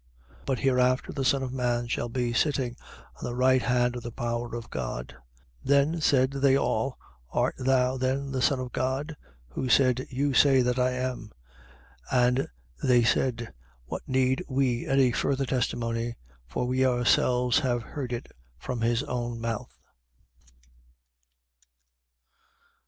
22:69. But hereafter the Son of man shall be sitting on the right hand of the power of God. 22:70. Then said they all: Art thou then the Son of God? Who said: You say that I am. 22:71. And they said: What need we any further testimony? For we ourselves have heard it from his own mouth.